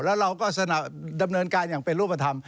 แล้วเราก็ดำเนินการอย่างเป็นรูปธรรม